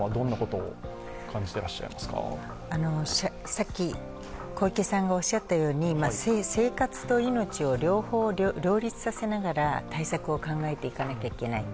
さっき小池さんがおっしゃったように、生活と命を両方両立させながら対策を考えていかなきゃいけない。